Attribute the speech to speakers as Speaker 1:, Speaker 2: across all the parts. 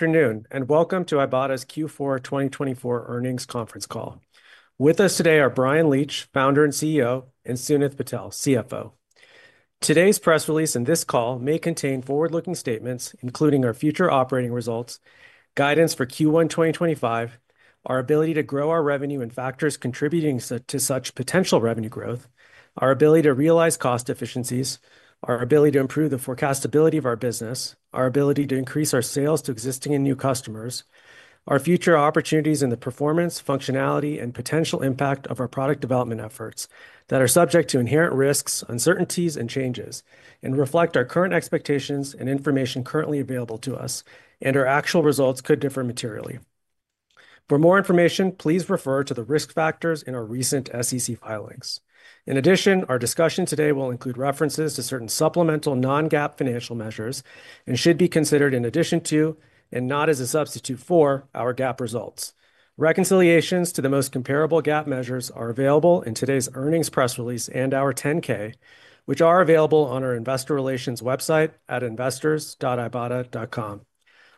Speaker 1: Afternoon, and welcome to Ibotta's Q4 2024 earnings conference call. With us today are Bryan Leach, Founder and CEO, and Sunit Patel, CFO. Today's press release and this call may contain forward-looking statements, including our future operating results, guidance for Q1 2025, our ability to grow our revenue and factors contributing to such potential revenue growth, our ability to realize cost efficiencies, our ability to improve the forecastability of our business, our ability to increase our sales to existing and new customers, our future opportunities in the performance, functionality, and potential impact of our product development efforts that are subject to inherent risks, uncertainties, and changes, and reflect our current expectations and information currently available to us, and our actual results could differ materially. For more information, please refer to the risk factors in our recent SEC filings. In addition, our discussion today will include references to certain supplemental non-GAAP financial measures and should be considered in addition to, and not as a substitute for, our GAAP results. Reconciliations to the most comparable GAAP measures are available in today's earnings press release and our 10-K, which are available on our investor relations website at investors.ibotta.com.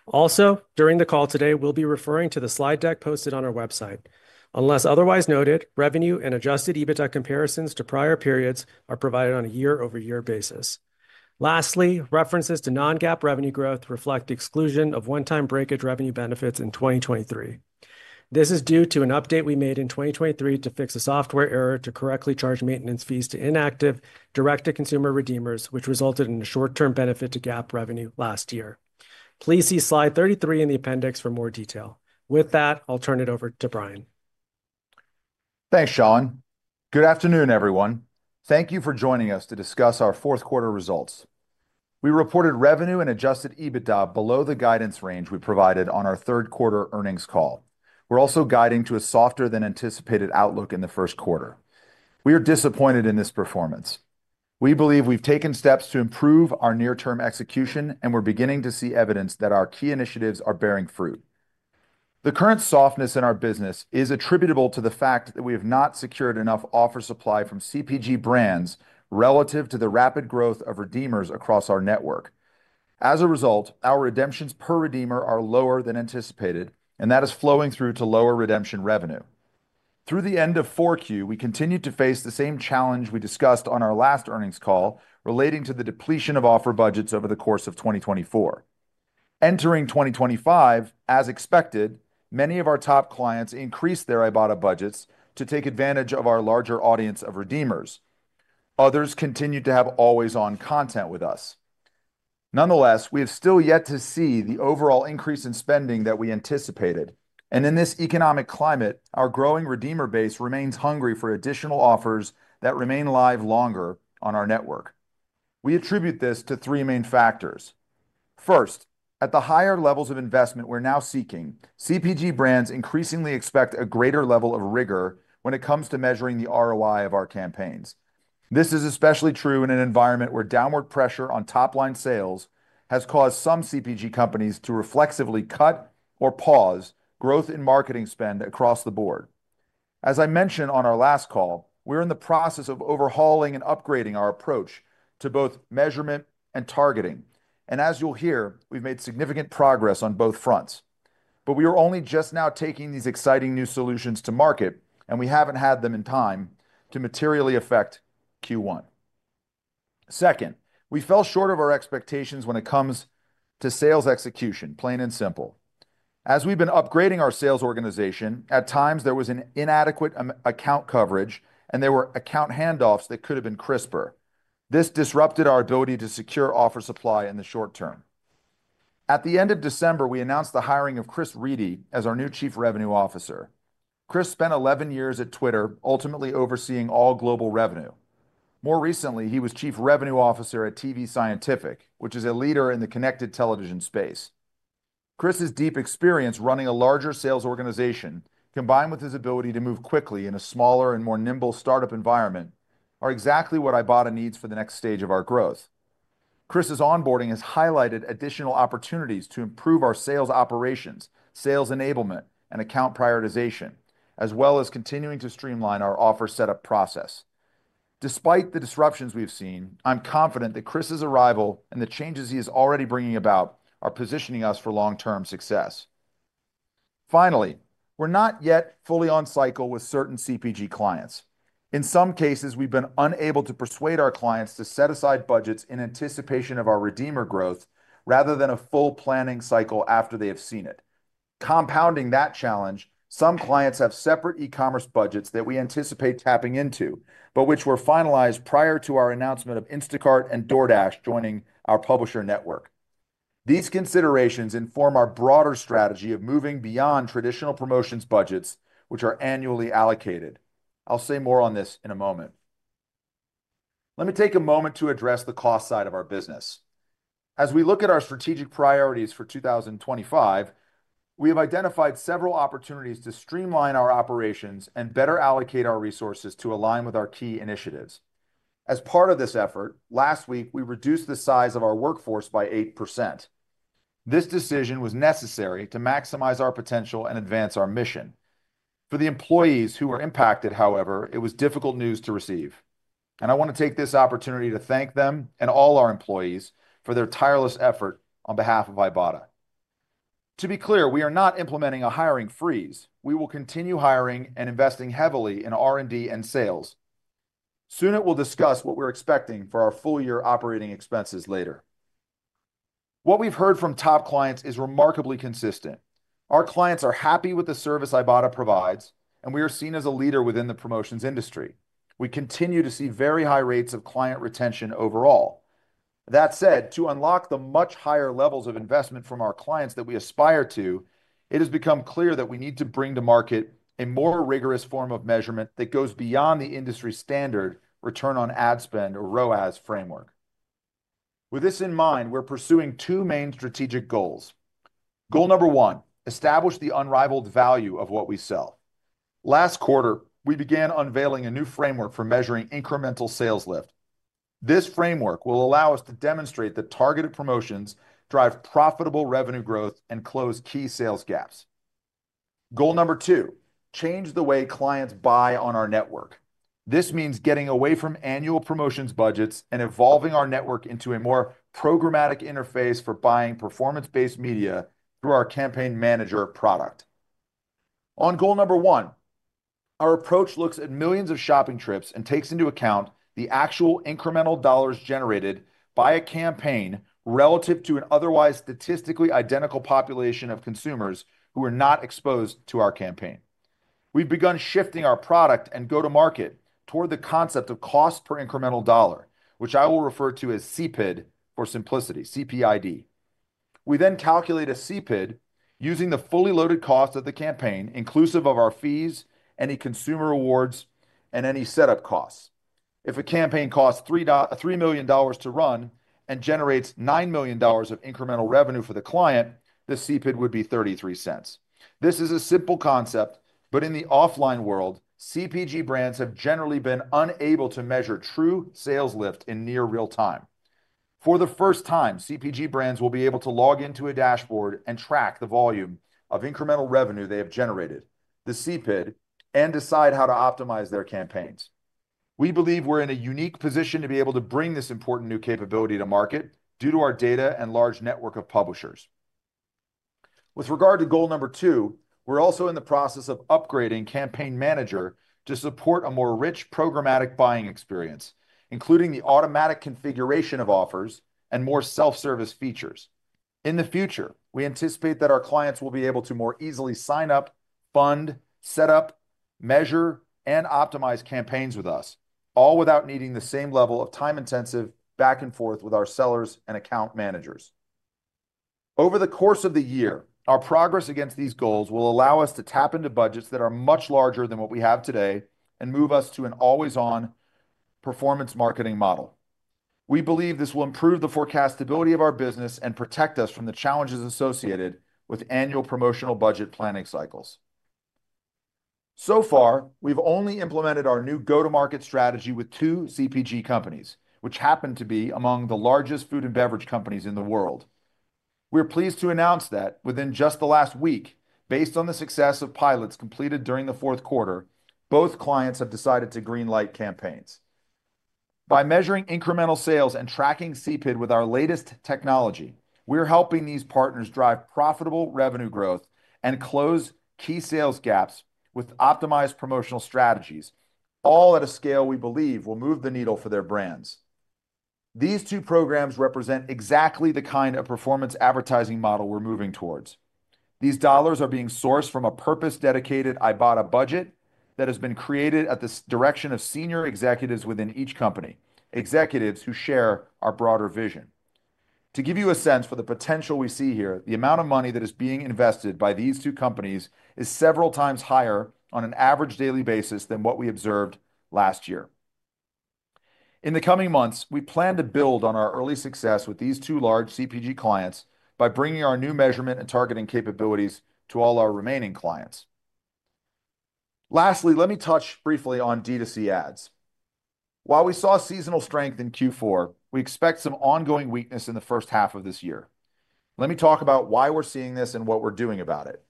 Speaker 1: Also, during the call today, we'll be referring to the slide deck posted on our website. Unless otherwise noted, revenue and adjusted EBITDA comparisons to prior periods are provided on a year-over-year basis. Lastly, references to non-GAAP revenue growth reflect the exclusion of one-time breakage revenue benefits in 2023. This is due to an update we made in 2023 to fix a software error to correctly charge maintenance fees to inactive direct-to-consumer redeemers, which resulted in a short-term benefit to GAAP revenue last year. Please see Slide 33 in the appendix for more detail. With that, I'll turn it over to Bryan.
Speaker 2: Thanks, Sean. Good afternoon, everyone. Thank you for joining us to discuss our fourth quarter results. We reported revenue and Adjusted EBITDA below the guidance range we provided on our third quarter earnings call. We're also guiding to a softer-than-anticipated outlook in the first quarter. We are disappointed in this performance. We believe we've taken steps to improve our near-term execution, and we're beginning to see evidence that our key initiatives are bearing fruit. The current softness in our business is attributable to the fact that we have not secured enough offer supply from CPG brands relative to the rapid growth of redeemers across our network. As a result, our redemptions per redeemer are lower than anticipated, and that is flowing through to lower redemption revenue. Through the end of Q4, we continued to face the same challenge we discussed on our last earnings call relating to the depletion of offer budgets over the course of 2024. Entering 2025, as expected, many of our top clients increased their Ibotta budgets to take advantage of our larger audience of redeemers. Others continued to have always-on content with us. Nonetheless, we have still yet to see the overall increase in spending that we anticipated, and in this economic climate, our growing redeemer base remains hungry for additional offers that remain live longer on our network. We attribute this to three main factors. First, at the higher levels of investment we're now seeking, CPG brands increasingly expect a greater level of rigor when it comes to measuring the ROI of our campaigns. This is especially true in an environment where downward pressure on top-line sales has caused some CPG companies to reflexively cut or pause growth in marketing spend across the board. As I mentioned on our last call, we're in the process of overhauling and upgrading our approach to both measurement and targeting, and as you'll hear, we've made significant progress on both fronts. But we are only just now taking these exciting new solutions to market, and we haven't had them in time to materially affect Q1. Second, we fell short of our expectations when it comes to sales execution, plain and simple. As we've been upgrading our sales organization, at times there was an inadequate account coverage, and there were account handoffs that could have been crisper. This disrupted our ability to secure offer supply in the short term. At the end of December, we announced the hiring of Chris Riedy as our new Chief Revenue Officer. Chris spent 11 years at Twitter, ultimately overseeing all global revenue. More recently, he was Chief Revenue Officer at tvScientific, which is a leader in the connected television space. Chris's deep experience running a larger sales organization, combined with his ability to move quickly in a smaller and more nimble startup environment, are exactly what Ibotta needs for the next stage of our growth. Chris's onboarding has highlighted additional opportunities to improve our sales operations, sales enablement, and account prioritization, as well as continuing to streamline our offer setup process. Despite the disruptions we've seen, I'm confident that Chris's arrival and the changes he is already bringing about are positioning us for long-term success. Finally, we're not yet fully on cycle with certain CPG clients. In some cases, we've been unable to persuade our clients to set aside budgets in anticipation of our redeemer growth rather than a full planning cycle after they have seen it. Compounding that challenge, some clients have separate e-commerce budgets that we anticipate tapping into, but which were finalized prior to our announcement of Instacart and DoorDash joining our publisher network. These considerations inform our broader strategy of moving beyond traditional promotions budgets, which are annually allocated. I'll say more on this in a moment. Let me take a moment to address the cost side of our business. As we look at our strategic priorities for 2025, we have identified several opportunities to streamline our operations and better allocate our resources to align with our key initiatives. As part of this effort, last week, we reduced the size of our workforce by 8%. This decision was necessary to maximize our potential and advance our mission. For the employees who were impacted, however, it was difficult news to receive, and I want to take this opportunity to thank them and all our employees for their tireless effort on behalf of Ibotta. To be clear, we are not implementing a hiring freeze. We will continue hiring and investing heavily in R&D and sales. Sunit will discuss what we're expecting for our full-year operating expenses later. What we've heard from top clients is remarkably consistent. Our clients are happy with the service Ibotta provides, and we are seen as a leader within the promotions industry. We continue to see very high rates of client retention overall. That said, to unlock the much higher levels of investment from our clients that we aspire to, it has become clear that we need to bring to market a more rigorous form of measurement that goes beyond the industry standard return on ad spend or ROAS framework. With this in mind, we're pursuing two main strategic goals. Goal number one: establish the unrivaled value of what we sell. Last quarter, we began unveiling a new framework for measuring incremental sales lift. This framework will allow us to demonstrate that targeted promotions drive profitable revenue growth and close key sales gaps. Goal number two: change the way clients buy on our network. This means getting away from annual promotions budgets and evolving our network into a more programmatic interface for buying performance-based media through our Campaign Manager product. On goal number one, our approach looks at millions of shopping trips and takes into account the actual incremental dollars generated by a campaign relative to an otherwise statistically identical population of consumers who are not exposed to our campaign. We've begun shifting our product and go-to-market toward the concept of cost per incremental dollar, which I will refer to as CPID for simplicity, CPID. We then calculate a CPID using the fully loaded cost of the campaign, inclusive of our fees, any consumer awards, and any setup costs. If a campaign costs $3 million to run and generates $9 million of incremental revenue for the client, the CPID would be $0.33. This is a simple concept, but in the offline world, CPG brands have generally been unable to measure true sales lift in near real time. For the first time, CPG brands will be able to log into a dashboard and track the volume of incremental revenue they have generated, the CPID, and decide how to optimize their campaigns. We believe we're in a unique position to be able to bring this important new capability to market due to our data and large network of publishers. With regard to goal number two, we're also in the process of upgrading Campaign Manager to support a more rich programmatic buying experience, including the automatic configuration of offers and more self-service features. In the future, we anticipate that our clients will be able to more easily sign up, fund, set up, measure, and optimize campaigns with us, all without needing the same level of time-intensive back and forth with our sellers and account managers. Over the course of the year, our progress against these goals will allow us to tap into budgets that are much larger than what we have today and move us to an always-on performance marketing model. We believe this will improve the forecastability of our business and protect us from the challenges associated with annual promotional budget planning cycles. So far, we've only implemented our new go-to-market strategy with two CPG companies, which happen to be among the largest food and beverage companies in the world. We're pleased to announce that within just the last week, based on the success of pilots completed during the fourth quarter, both clients have decided to greenlight campaigns. By measuring incremental sales and tracking CPID with our latest technology, we're helping these partners drive profitable revenue growth and close key sales gaps with optimized promotional strategies, all at a scale we believe will move the needle for their brands. These two programs represent exactly the kind of performance advertising model we're moving towards. These dollars are being sourced from a purpose-dedicated Ibotta budget that has been created at the direction of senior executives within each company, executives who share our broader vision. To give you a sense for the potential we see here, the amount of money that is being invested by these two companies is several times higher on an average daily basis than what we observed last year. In the coming months, we plan to build on our early success with these two large CPG clients by bringing our new measurement and targeting capabilities to all our remaining clients. Lastly, let me touch briefly on D2C ads. While we saw seasonal strength in Q4, we expect some ongoing weakness in the first half of this year. Let me talk about why we're seeing this and what we're doing about it.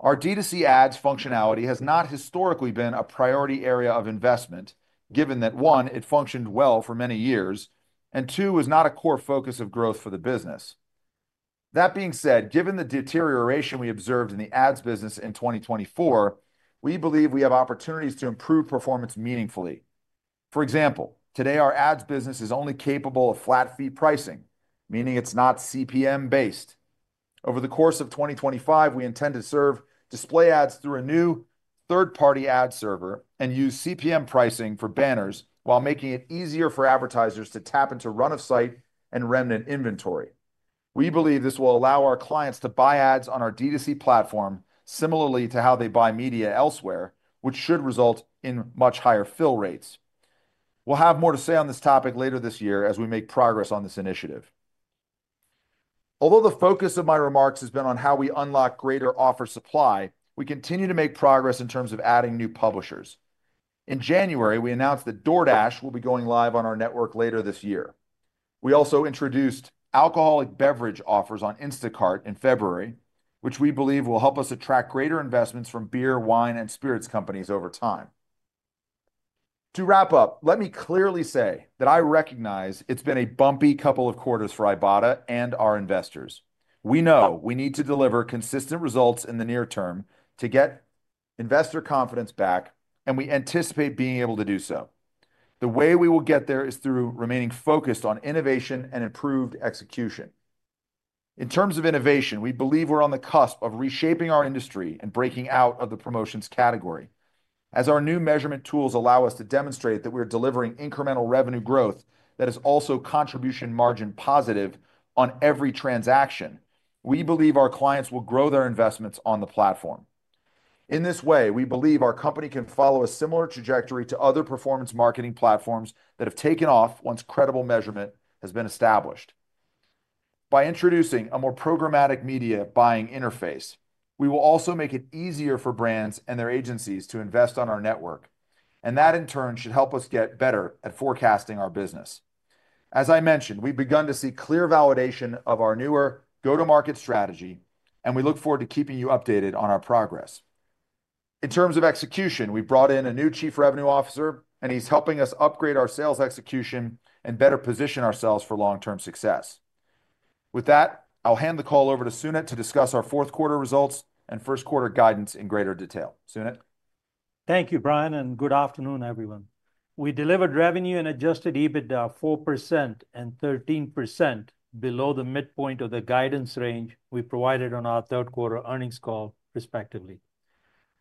Speaker 2: Our D2C ads functionality has not historically been a priority area of investment, given that, one, it functioned well for many years, and two, it was not a core focus of growth for the business. That being said, given the deterioration we observed in the ads business in 2024, we believe we have opportunities to improve performance meaningfully. For example, today, our ads business is only capable of flat fee pricing, meaning it's not CPM-based. Over the course of 2025, we intend to serve display ads through a new third-party ad server and use CPM pricing for banners while making it easier for advertisers to tap into run-of-site and remnant inventory. We believe this will allow our clients to buy ads on our D2C platform similarly to how they buy media elsewhere, which should result in much higher fill rates. We'll have more to say on this topic later this year as we make progress on this initiative. Although the focus of my remarks has been on how we unlock greater offer supply, we continue to make progress in terms of adding new publishers. In January, we announced that DoorDash will be going live on our network later this year. We also introduced alcoholic beverage offers on Instacart in February, which we believe will help us attract greater investments from beer, wine, and spirits companies over time. To wrap up, let me clearly say that I recognize it's been a bumpy couple of quarters for Ibotta and our investors. We know we need to deliver consistent results in the near term to get investor confidence back, and we anticipate being able to do so. The way we will get there is through remaining focused on innovation and improved execution. In terms of innovation, we believe we're on the cusp of reshaping our industry and breaking out of the promotions category. As our new measurement tools allow us to demonstrate that we're delivering incremental revenue growth that is also contribution margin positive on every transaction, we believe our clients will grow their investments on the platform. In this way, we believe our company can follow a similar trajectory to other performance marketing platforms that have taken off once credible measurement has been established. By introducing a more programmatic media buying interface, we will also make it easier for brands and their agencies to invest on our network, and that in turn should help us get better at forecasting our business. As I mentioned, we've begun to see clear validation of our newer go-to-market strategy, and we look forward to keeping you updated on our progress. In terms of execution, we've brought in a new Chief Revenue Officer, and he's helping us upgrade our sales execution and better position ourselves for long-term success. With that, I'll hand the call over to Sunit to discuss our fourth quarter results and first quarter guidance in greater detail. Sunit.
Speaker 3: Thank you, Bryan, and good afternoon, everyone. We delivered revenue and Adjusted EBITDA 4% and 13% below the midpoint of the guidance range we provided on our third quarter earnings call, respectively.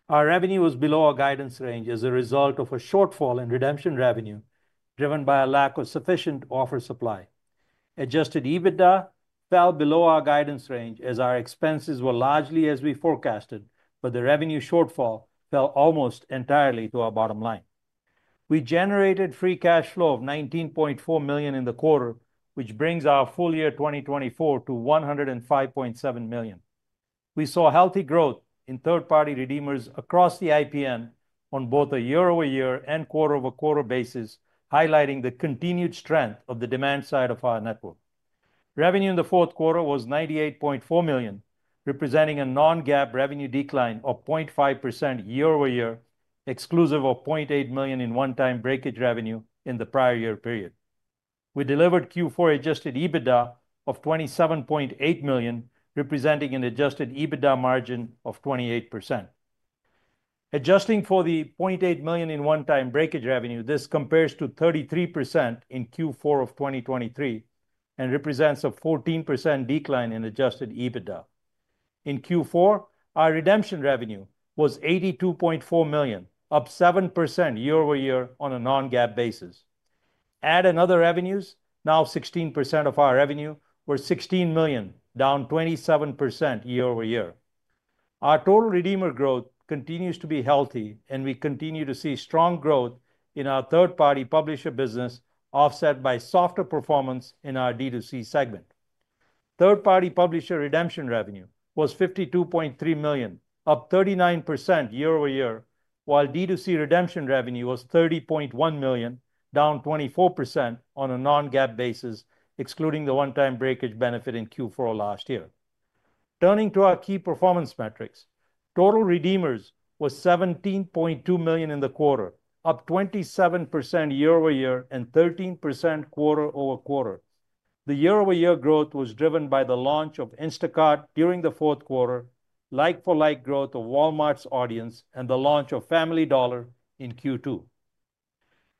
Speaker 3: Our revenue was below our guidance range as a result of a shortfall in redemption revenue driven by a lack of sufficient offer supply. Adjusted EBITDA fell below our guidance range as our expenses were largely as we forecasted, but the revenue shortfall fell almost entirely to our bottom line. We generated free cash flow of $19.4 million in the quarter, which brings our full year 2024 to $105.7 million. We saw healthy growth in third-party redeemers across the IPN on both a year-over-year and quarter-over-quarter basis, highlighting the continued strength of the demand side of our network. Revenue in the fourth quarter was $98.4 million, representing a non-GAAP revenue decline of 0.5% year-over-year, exclusive of $0.8 million in one-time breakage revenue in the prior year period. We delivered Q4 Adjusted EBITDA of $27.8 million, representing an Adjusted EBITDA margin of 28%. Adjusting for the $0.8 million in one-time breakage revenue, this compares to 33% in Q4 of 2023 and represents a 14% decline in Adjusted EBITDA. In Q4, our redemption revenue was $82.4 million, up 7% year-over-year on a non-GAAP basis. And other revenues, now 16% of our revenue, were $16 million, down 27% year-over-year. Our total redeemer growth continues to be healthy, and we continue to see strong growth in our third-party publisher business, offset by softer performance in our D2C segment. Third-party publisher redemption revenue was $52.3 million, up 39% year-over-year, while D2C redemption revenue was $30.1 million, down 24% on a non-GAAP basis, excluding the one-time breakage benefit in Q4 last year. Turning to our key performance metrics, total redeemers was 17.2 million in the quarter, up 27% year-over-year and 13% quarter-over-quarter. The year-over-year growth was driven by the launch of Instacart during the fourth quarter, like-for-like growth of Walmart's audience, and the launch of Family Dollar in Q2.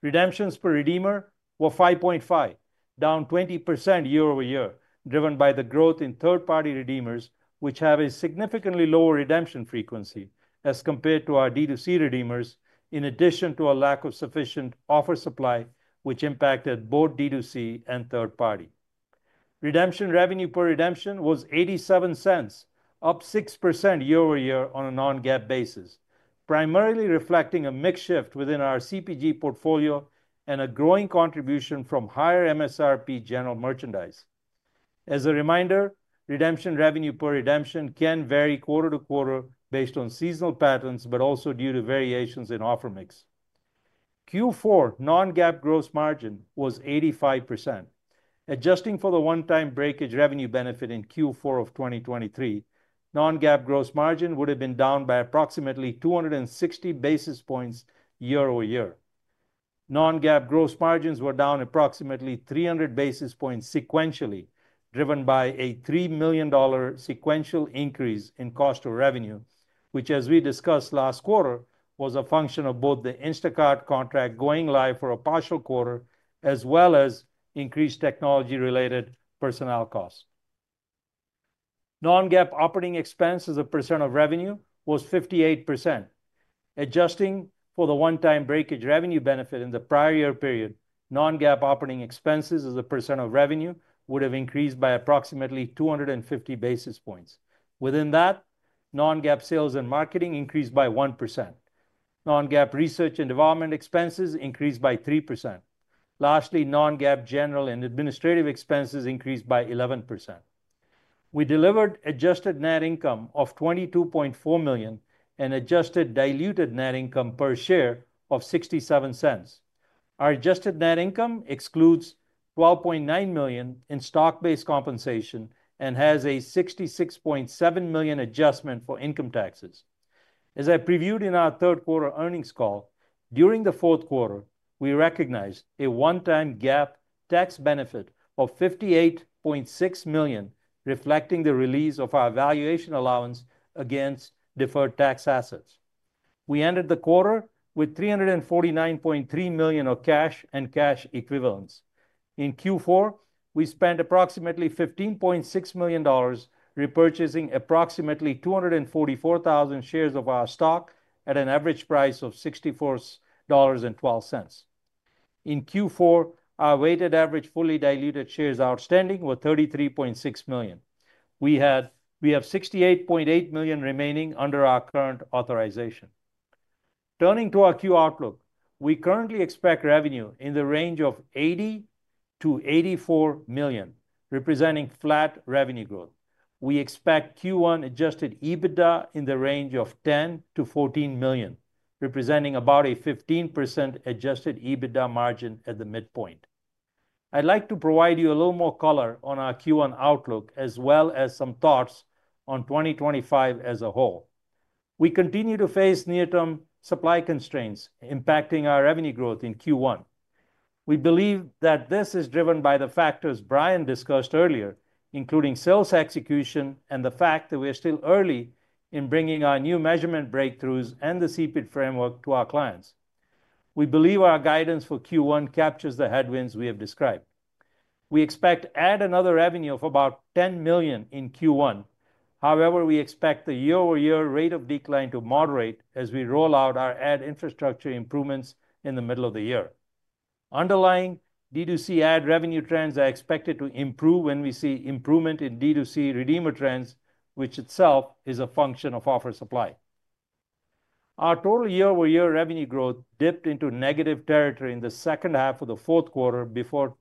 Speaker 3: Redemptions per redeemer were 5.5, down 20% year-over-year, driven by the growth in third-party redeemers, which have a significantly lower redemption frequency as compared to our D2C redeemers, in addition to a lack of sufficient offer supply, which impacted both D2C and third-party. Redemption revenue per redemption was $0.87, up 6% year-over-year on a non-GAAP basis, primarily reflecting a mix shift within our CPG portfolio and a growing contribution from higher MSRP general merchandise. As a reminder, redemption revenue per redemption can vary quarter to quarter based on seasonal patterns, but also due to variations in offer mix. Q4 non-GAAP gross margin was 85%. Adjusting for the one-time breakage revenue benefit in Q4 of 2023, non-GAAP gross margin would have been down by approximately 260 basis points year-over-year. Non-GAAP gross margins were down approximately 300 basis points sequentially, driven by a $3 million sequential increase in cost of revenue, which, as we discussed last quarter, was a function of both the Instacart contract going live for a partial quarter as well as increased technology-related personnel costs. Non-GAAP operating expenses as a percent of revenue was 58%. Adjusting for the one-time breakage revenue benefit in the prior year period, non-GAAP operating expenses as a percent of revenue would have increased by approximately 250 basis points. Within that, non-GAAP sales and marketing increased by 1%. Non-GAAP research and development expenses increased by 3%. Lastly, non-GAAP general and administrative expenses increased by 11%. We delivered adjusted net income of $22.4 million and adjusted diluted net income per share of $0.67. Our adjusted net income excludes $12.9 million in stock-based compensation and has a $66.7 million adjustment for income taxes. As I previewed in our third quarter earnings call, during the fourth quarter, we recognized a one-time GAAP tax benefit of $58.6 million, reflecting the release of our valuation allowance against deferred tax assets. We ended the quarter with $349.3 million of cash and cash equivalents. In Q4, we spent approximately $15.6 million repurchasing approximately 244,000 shares of our stock at an average price of $64.12. In Q4, our weighted average fully diluted shares outstanding was $33.6 million. We have $68.8 million remaining under our current authorization. Turning to our Q outlook, we currently expect revenue in the range of $80-$84 million, representing flat revenue growth. We expect Q1 adjusted EBITDA in the range of $10-$14 million, representing about a 15% adjusted EBITDA margin at the midpoint. I'd like to provide you a little more color on our Q1 outlook, as well as some thoughts on 2025 as a whole. We continue to face near-term supply constraints impacting our revenue growth in Q1. We believe that this is driven by the factors Bryan discussed earlier, including sales execution and the fact that we're still early in bringing our new measurement breakthroughs and the CPID framework to our clients. We believe our guidance for Q1 captures the headwinds we have described. We expect adjusted revenue of about $10 million in Q1. However, we expect the year-over-year rate of decline to moderate as we roll out our ad infrastructure improvements in the middle of the year. Underlying D2C ad revenue trends are expected to improve when we see improvement in D2C redeemer trends, which itself is a function of offer supply. Our total year-over-year revenue growth dipped into negative territory in the second half of the fourth quarter before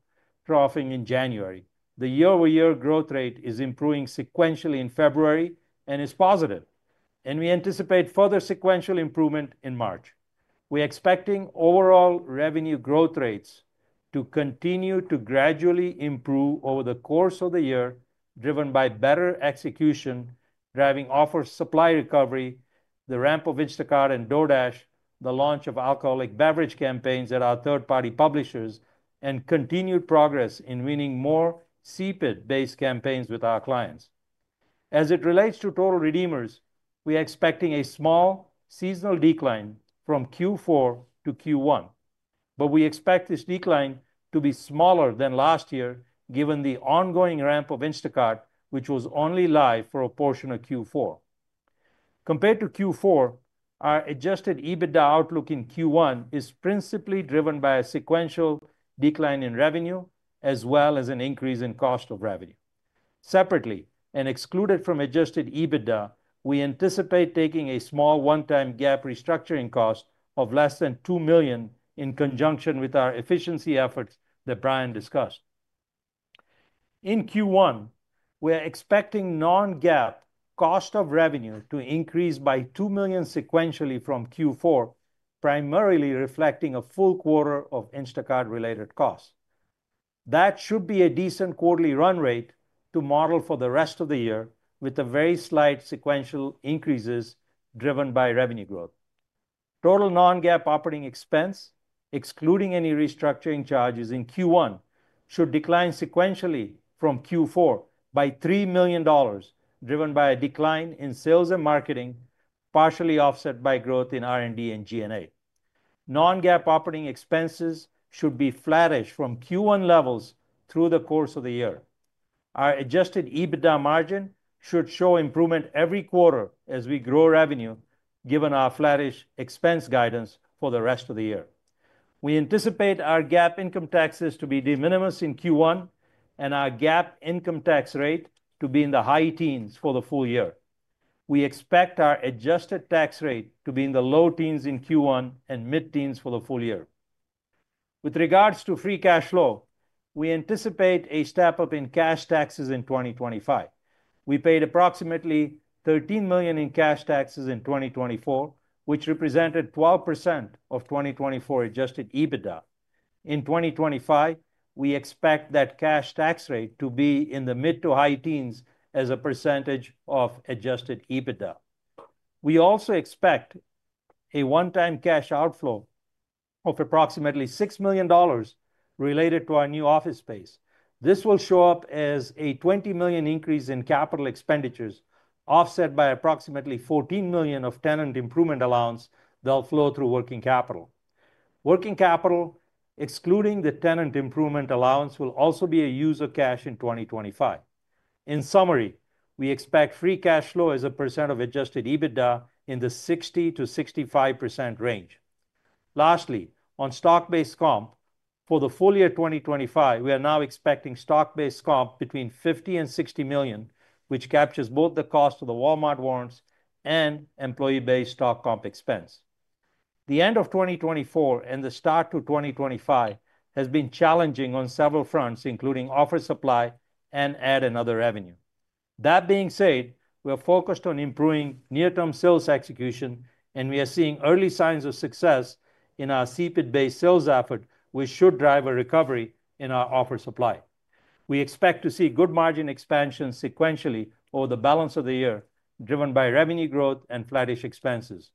Speaker 3: troughing in January. The year-over-year growth rate is improving sequentially in February and is positive, and we anticipate further sequential improvement in March. We're expecting overall revenue growth rates to continue to gradually improve over the course of the year, driven by better execution, driving offer supply recovery, the ramp of Instacart and DoorDash, the launch of alcoholic beverage campaigns at our third-party publishers, and continued progress in winning more CPID-based campaigns with our clients. As it relates to total redeemers, we're expecting a small seasonal decline from Q4 to Q1, but we expect this decline to be smaller than last year given the ongoing ramp of Instacart, which was only live for a portion of Q4. Compared to Q4, our Adjusted EBITDA outlook in Q1 is principally driven by a sequential decline in revenue as well as an increase in cost of revenue. Separately, and excluded from Adjusted EBITDA, we anticipate taking a small one-time GAAP restructuring cost of less than $2 million in conjunction with our efficiency efforts that Bryan discussed. In Q1, we're expecting non-GAAP cost of revenue to increase by $2 million sequentially from Q4, primarily reflecting a full quarter of Instacart-related costs. That should be a decent quarterly run rate to model for the rest of the year with the very slight sequential increases driven by revenue growth. Total non-GAAP operating expense, excluding any restructuring charges in Q1, should decline sequentially from Q4 by $3 million, driven by a decline in sales and marketing, partially offset by growth in R&D and G&A. Non-GAAP operating expenses should be flattish from Q1 levels through the course of the year. Our Adjusted EBITDA margin should show improvement every quarter as we grow revenue, given our flattish expense guidance for the rest of the year. We anticipate our GAAP income taxes to be de minimis in Q1 and our GAAP income tax rate to be in the high teens for the full year. We expect our adjusted tax rate to be in the low teens in Q1 and mid-teens for the full year. With regards to free cash flow, we anticipate a step up in cash taxes in 2025. We paid approximately $13 million in cash taxes in 2024, which represented 12% of 2024 adjusted EBITDA. In 2025, we expect that cash tax rate to be in the mid- to high-teens as a percentage of adjusted EBITDA. We also expect a one-time cash outflow of approximately $6 million related to our new office space. This will show up as a $20 million increase in capital expenditures, offset by approximately $14 million of tenant improvement allowance that will flow through working capital. Working capital, excluding the tenant improvement allowance, will also be a use of cash in 2025. In summary, we expect free cash flow as a percent of Adjusted EBITDA in the 60%-65% range. Lastly, on stock-based comp, for the full year 2025, we are now expecting stock-based comp between $50-$60 million, which captures both the cost of the Walmart warrants and employee-based stock comp expense. The end of 2024 and the start to 2025 has been challenging on several fronts, including offer supply and ad revenue. That being said, we're focused on improving near-term sales execution, and we are seeing early signs of success in our CPID-based sales effort, which should drive a recovery in our offer supply. We expect to see good margin expansion sequentially over the balance of the year, driven by revenue growth and flattish expenses.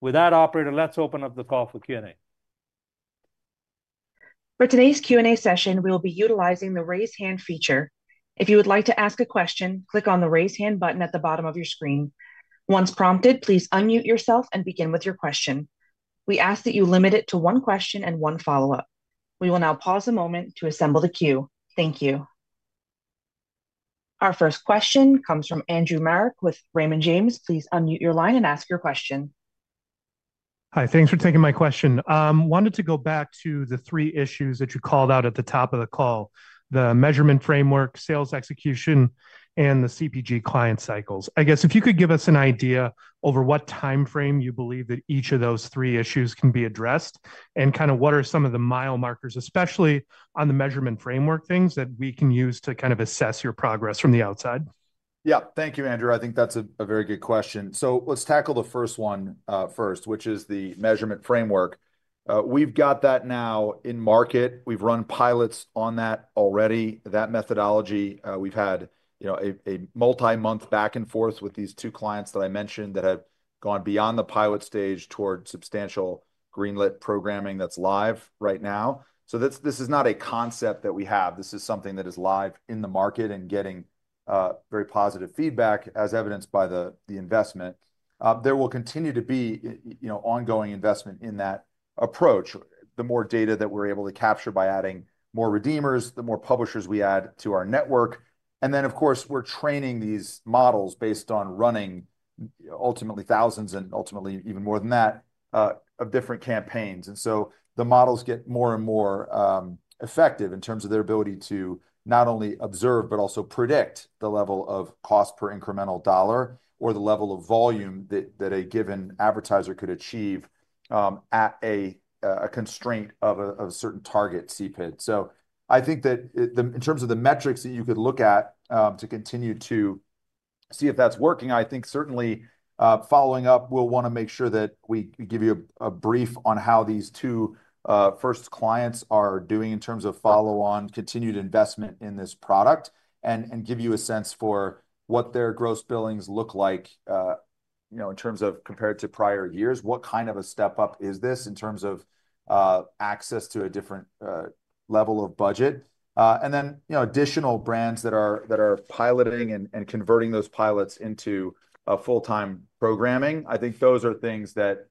Speaker 3: With that, operator, let's open up the call for Q&A.
Speaker 4: For today's Q&A session, we will be utilizing the raise hand feature. If you would like to ask a question, click on the raise hand button at the bottom of your screen. Once prompted, please unmute yourself and begin with your question. We ask that you limit it to one question and one follow-up. We will now pause a moment to assemble the queue. Thank you. Our first question comes from Andrew Marok with Raymond James. Please unmute your line and ask your question.
Speaker 5: Hi, thanks for taking my question. I wanted to go back to the three issues that you called out at the top of the call: the measurement framework, sales execution, and the CPG client cycles. I guess if you could give us an idea over what timeframe you believe that each of those three issues can be addressed and kind of what are some of the mile markers, especially on the measurement framework things that we can use to kind of assess your progress from the outside?
Speaker 2: Yeah, thank you, Andrew. I think that's a very good question. So let's tackle the first one first, which is the measurement framework. We've got that now in market. We've run pilots on that already. That methodology, we've had a multi-month back and forth with these two clients that I mentioned that have gone beyond the pilot stage toward substantial greenlit programming that's live right now. So this is not a concept that we have. This is something that is live in the market and getting very positive feedback, as evidenced by the investment. There will continue to be ongoing investment in that approach. The more data that we're able to capture by adding more redeemers, the more publishers we add to our network. And then, of course, we're training these models based on running ultimately thousands and ultimately even more than that of different campaigns. And so the models get more and more effective in terms of their ability to not only observe, but also predict the level of cost per incremental dollar or the level of volume that a given advertiser could achieve at a constraint of a certain target CPID. I think that in terms of the metrics that you could look at to continue to see if that's working, I think certainly following up, we'll want to make sure that we give you a brief on how these two first clients are doing in terms of follow-on, continued investment in this product and give you a sense for what their gross billings look like in terms of compared to prior years, what kind of a step up is this in terms of access to a different level of budget, and then additional brands that are piloting and converting those pilots into full-time programming. I think those are things that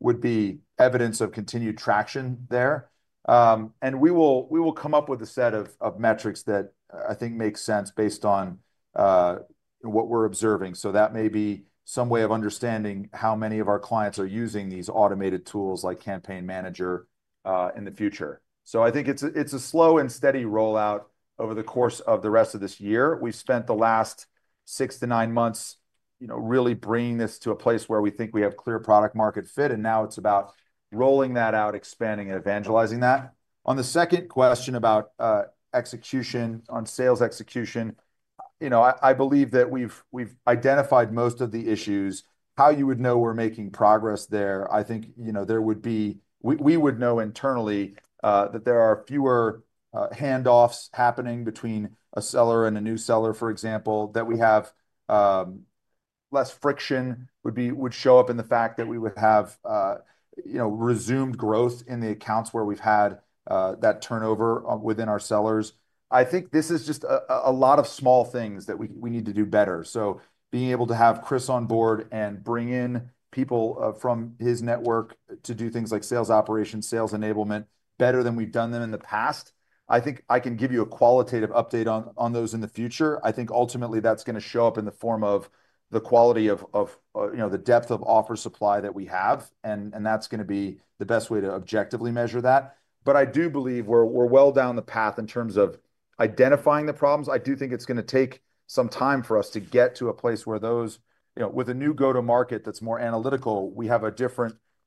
Speaker 2: would be evidence of continued traction there, and we will come up with a set of metrics that I think make sense based on what we're observing. So that may be some way of understanding how many of our clients are using these automated tools like Campaign Manager in the future. So I think it's a slow and steady rollout over the course of the rest of this year. We spent the last six to nine months really bringing this to a place where we think we have clear product-market fit, and now it's about rolling that out, expanding, and evangelizing that. On the second question about execution on sales execution, I believe that we've identified most of the issues. How you would know we're making progress there, I think there would be we would know internally that there are fewer handoffs happening between a seller and a new seller, for example, that we have less friction would show up in the fact that we would have resumed growth in the accounts where we've had that turnover within our sellers. I think this is just a lot of small things that we need to do better. So being able to have Chris on board and bring in people from his network to do things like sales operations, sales enablement better than we've done them in the past, I think I can give you a qualitative update on those in the future. I think ultimately that's going to show up in the form of the quality of the depth of offer supply that we have, and that's going to be the best way to objectively measure that. But I do believe we're well down the path in terms of identifying the problems. I do think it's going to take some time for us to get to a place where those, with a new go-to-market that's more analytical, we have a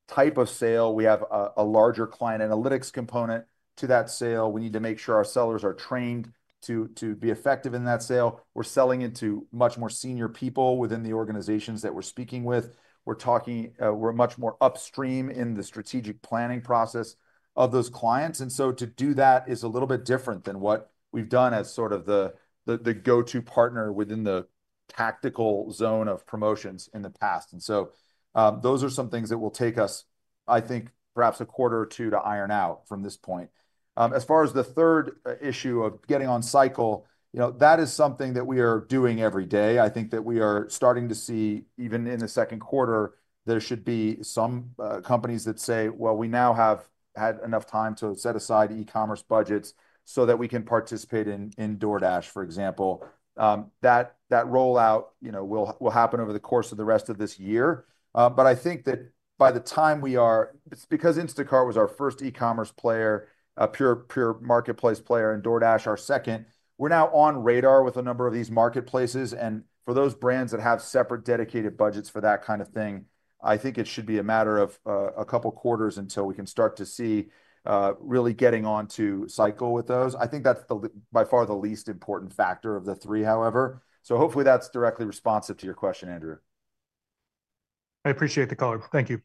Speaker 2: different type of sale. We have a larger client analytics component to that sale. We need to make sure our sellers are trained to be effective in that sale. We're selling it to much more senior people within the organizations that we're speaking with. We're talking. We're much more upstream in the strategic planning process of those clients. And so to do that is a little bit different than what we've done as sort of the go-to partner within the tactical zone of promotions in the past. And so those are some things that will take us, I think, perhaps a quarter or two to iron out from this point. As far as the third issue of getting on cycle, that is something that we are doing every day. I think that we are starting to see, even in the second quarter, there should be some companies that say, "Well, we now have had enough time to set aside e-commerce budgets so that we can participate in DoorDash," for example. That rollout will happen over the course of the rest of this year. But I think that by the time we are, because Instacart was our first e-commerce player, a pure marketplace player, and DoorDash our second, we're now on the radar with a number of these marketplaces. And for those brands that have separate dedicated budgets for that kind of thing, I think it should be a matter of a couple of quarters until we can start to see really getting on to cycle with those. I think that's by far the least important factor of the three, however. So hopefully that's directly responsive to your question, Andrew.
Speaker 5: I appreciate the call. Thank you.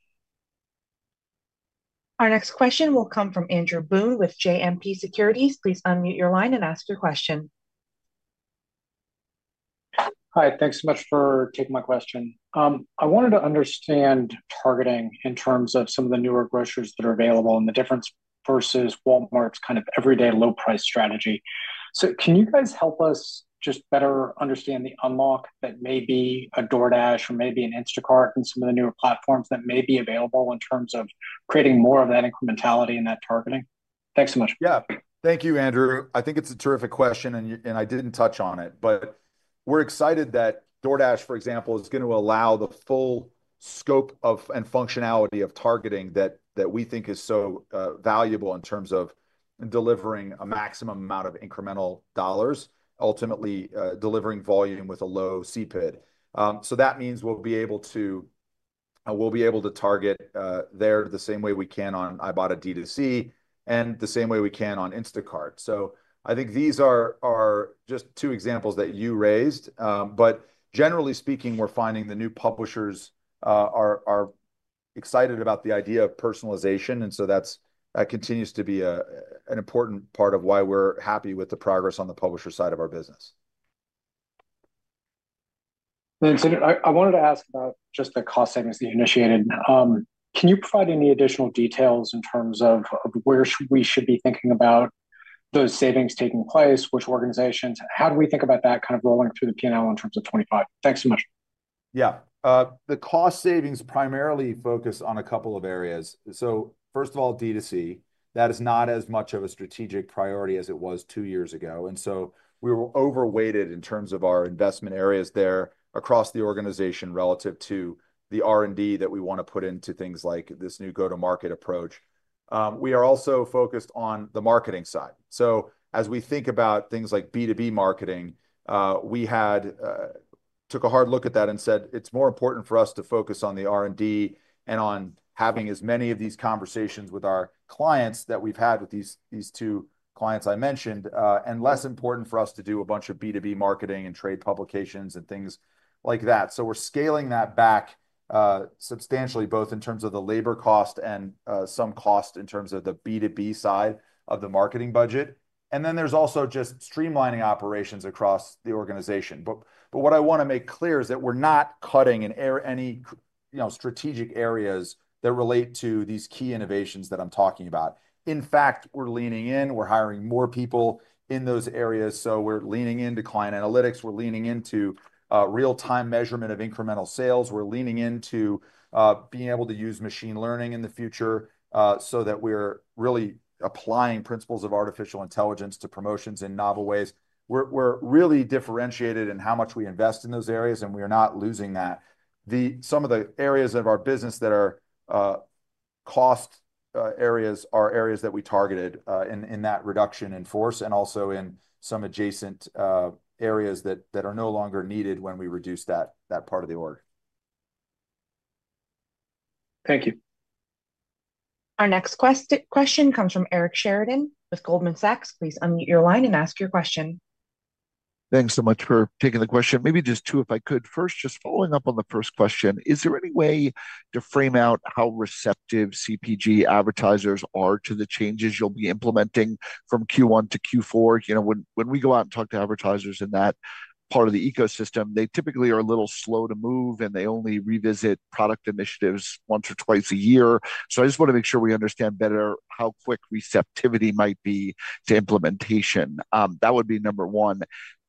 Speaker 4: Our next question will come from Andrew Boone with JMP Securities. Please unmute your line and ask your question.
Speaker 6: Hi. Thanks so much for taking my question. I wanted to understand targeting in terms of some of the newer grocers that are available and the difference versus Walmart's kind of everyday low-price strategy. So can you guys help us just better understand the unlock that may be a DoorDash or maybe an Instacart and some of the newer platforms that may be available in terms of creating more of that incrementality and that targeting? Thanks so much.
Speaker 2: Yeah. Thank you, Andrew. I think it's a terrific question, and I didn't touch on it, but we're excited that DoorDash, for example, is going to allow the full scope of and functionality of targeting that we think is so valuable in terms of delivering a maximum amount of incremental dollars, ultimately delivering volume with a low CPID. That means we'll be able to target there the same way we can on Ibotta D2C and the same way we can on Instacart. I think these are just two examples that you raised. But generally speaking, we're finding the new publishers are excited about the idea of personalization. And so that continues to be an important part of why we're happy with the progress on the publisher side of our business.
Speaker 6: Thanks, Andrew. I wanted to ask about just the cost savings that you initiated. Can you provide any additional details in terms of where we should be thinking about those savings taking place, which organizations? How do we think about that kind of rolling through the P&L in terms of 2025? Thanks so much.
Speaker 2: Yeah. The cost savings primarily focus on a couple of areas. So first of all, D2C, that is not as much of a strategic priority as it was two years ago. And so we were overweighted in terms of our investment areas there across the organization relative to the R&D that we want to put into things like this new go-to-market approach. We are also focused on the marketing side. So as we think about things like B2B marketing, we took a hard look at that and said, "It's more important for us to focus on the R&D and on having as many of these conversations with our clients that we've had with these two clients I mentioned, and less important for us to do a bunch of B2B marketing and trade publications and things like that." So we're scaling that back substantially, both in terms of the labor cost and some cost in terms of the B2B side of the marketing budget. And then there's also just streamlining operations across the organization. But what I want to make clear is that we're not cutting in any strategic areas that relate to these key innovations that I'm talking about. In fact, we're leaning in. We're hiring more people in those areas. So we're leaning into client analytics. We're leaning into real-time measurement of incremental sales. We're leaning into being able to use machine learning in the future so that we're really applying principles of artificial intelligence to promotions in novel ways. We're really differentiated in how much we invest in those areas, and we are not losing that. Some of the areas of our business that are cost areas are areas that we targeted in that reduction in force and also in some adjacent areas that are no longer needed when we reduce that part of the org.
Speaker 6: Thank you.
Speaker 4: Our next question comes from Eric Sheridan with Goldman Sachs. Please unmute your line and ask your question.
Speaker 7: Thanks so much for taking the question. Maybe just two, if I could. First, just following up on the first question, is there any way to frame out how receptive CPG advertisers are to the changes you'll be implementing from Q1 to Q4? When we go out and talk to advertisers in that part of the ecosystem, they typically are a little slow to move, and they only revisit product initiatives once or twice a year. So I just want to make sure we understand better how quick receptivity might be to implementation. That would be number one.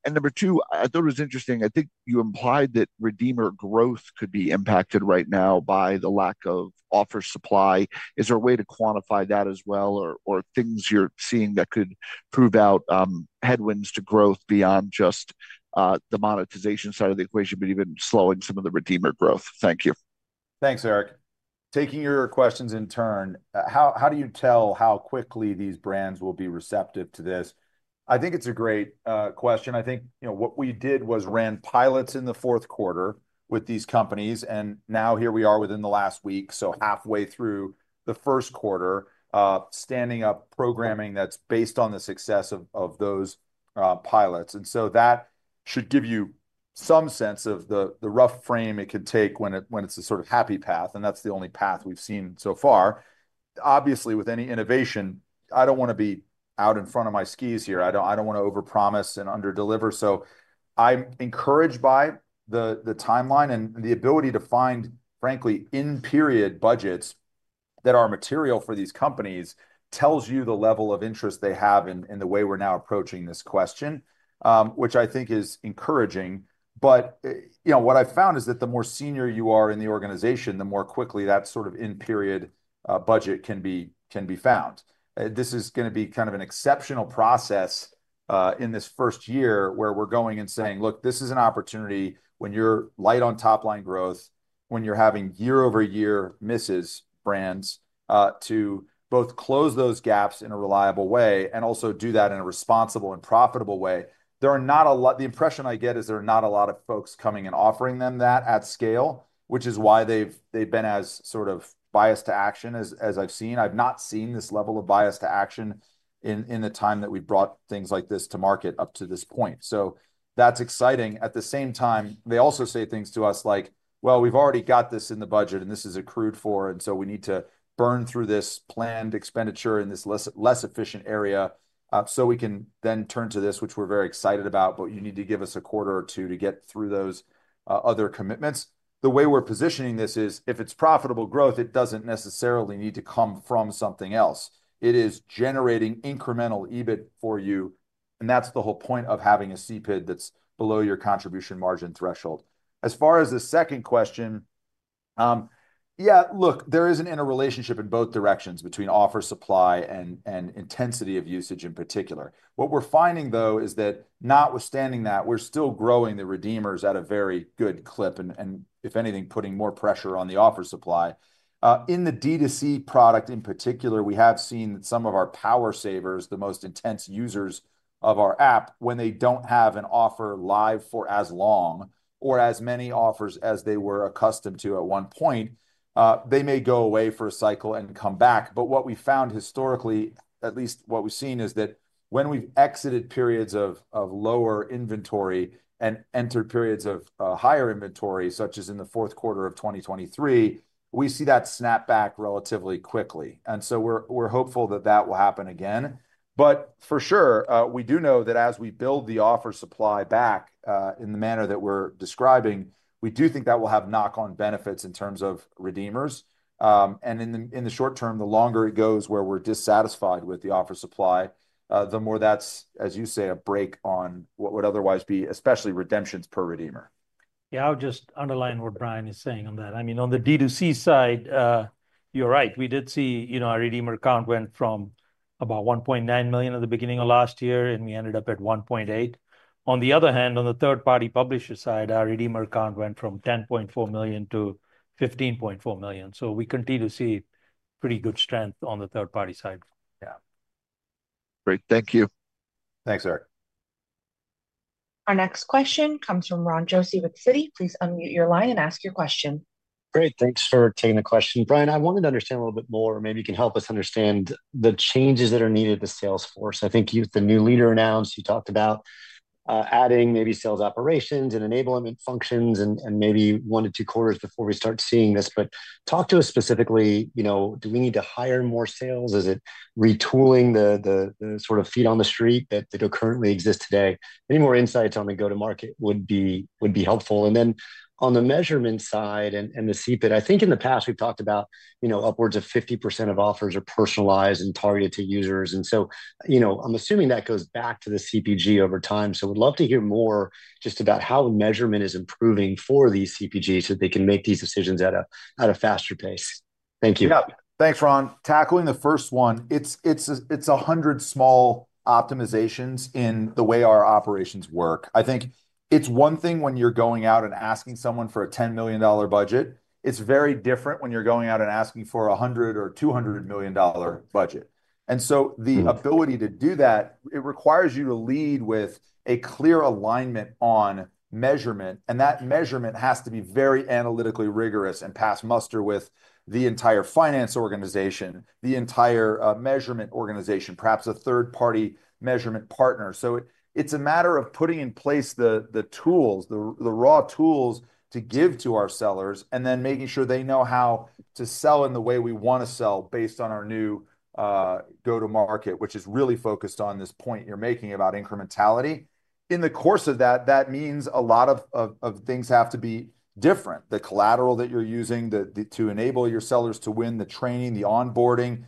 Speaker 7: And number two, I thought it was interesting. I think you implied that redeemer growth could be impacted right now by the lack of offer supply. Is there a way to quantify that as well or things you're seeing that could prove out headwinds to growth beyond just the monetization side of the equation, but even slowing some of the redeemer growth? Thank you.
Speaker 2: Thanks, Eric. Taking your questions in turn, how do you tell how quickly these brands will be receptive to this? I think it's a great question. I think what we did was ran pilots in the fourth quarter with these companies, and now here we are within the last week, so halfway through the first quarter, standing up programming that's based on the success of those pilots. And so that should give you some sense of the rough frame it could take when it's a sort of happy path, and that's the only path we've seen so far. Obviously, with any innovation, I don't want to be out in front of my skis here. I don't want to overpromise and underdeliver. So I'm encouraged by the timeline and the ability to find, frankly, in-period budgets that are material for these companies tells you the level of interest they have in the way we're now approaching this question, which I think is encouraging. But what I've found is that the more senior you are in the organization, the more quickly that sort of in-period budget can be found. This is going to be kind of an exceptional process in this first year where we're going and saying, "Look, this is an opportunity when you're light on top-line growth, when you're having year-over-year misses, brands to both close those gaps in a reliable way and also do that in a responsible and profitable way." The impression I get is there are not a lot of folks coming and offering them that at scale, which is why they've been as sort of biased to action as I've seen. I've not seen this level of bias to action in the time that we've brought things like this to market up to this point. So that's exciting. At the same time, they also say things to us like, "Well, we've already got this in the budget, and this is accrued for, and so we need to burn through this planned expenditure in this less efficient area so we can then turn to this, which we're very excited about, but you need to give us a quarter or two to get through those other commitments." The way we're positioning this is if it's profitable growth, it doesn't necessarily need to come from something else. It is generating incremental EBIT for you, and that's the whole point of having a CPID that's below your contribution margin threshold. As far as the second question, yeah, look, there is an interrelationship in both directions between offer supply and intensity of usage in particular. What we're finding, though, is that notwithstanding that, we're still growing the redeemers at a very good clip and, if anything, putting more pressure on the offer supply. In the D2C product in particular, we have seen that some of our power savers, the most intense users of our app, when they don't have an offer live for as long or as many offers as they were accustomed to at one point, they may go away for a cycle and come back. But what we found historically, at least what we've seen, is that when we've exited periods of lower inventory and entered periods of higher inventory, such as in the fourth quarter of 2023, we see that snap back relatively quickly, and so we're hopeful that that will happen again. But for sure, we do know that as we build the offer supply back in the manner that we're describing, we do think that will have knock-on benefits in terms of redeemers. And in the short term, the longer it goes where we're dissatisfied with the offer supply, the more that's, as you say, a brake on what would otherwise be especially redemptions per redeemer.
Speaker 3: Yeah, I'll just underline what Bryan is saying on that. I mean, on the D2C side, you're right. We did see our redeemer count went from about 1.9 million at the beginning of last year, and we ended up at 1.8. On the other hand, on the third-party publisher side, our redeemer count went from 10.4 million to 15.4 million. So we continue to see pretty good strength on the third-party side. Yeah.
Speaker 7: Great. Thank you.
Speaker 2: Thanks, Eric.
Speaker 4: Our next question comes from Ron Josey with Citi. Please unmute your line and ask your question.
Speaker 8: Great. Thanks for taking the question. Bryan, I wanted to understand a little bit more, or maybe you can help us understand the changes that are needed to the sales force. I think the new leader announced you talked about adding maybe sales operations and enablement functions and maybe one to two quarters before we start seeing this. But talk to us specifically, do we need to hire more sales? Is it retooling the sort of feet on the street that currently exist today? Any more insights on the go-to-market would be helpful. And then on the measurement side and the CPID, I think in the past we've talked about upwards of 50% of offers are personalized and targeted to users. And so I'm assuming that goes back to the CPG over time. So we'd love to hear more just about how measurement is improving for these CPGs so they can make these decisions at a faster pace. Thank you.
Speaker 2: Yeah. Thanks, Ron. Tackling the first one, it's 100 small optimizations in the way our operations work. I think it's one thing when you're going out and asking someone for a $10 million budget. It's very different when you're going out and asking for a $100 or $200 million budget. And so the ability to do that, it requires you to lead with a clear alignment on measurement, and that measurement has to be very analytically rigorous and pass muster with the entire finance organization, the entire measurement organization, perhaps a third-party measurement partner. It's a matter of putting in place the tools, the raw tools to give to our sellers, and then making sure they know how to sell in the way we want to sell based on our new go-to-market, which is really focused on this point you're making about incrementality. In the course of that, that means a lot of things have to be different. The collateral that you're using to enable your sellers to win, the training, the onboarding